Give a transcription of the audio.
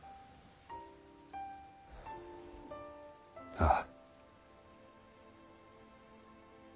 ああ。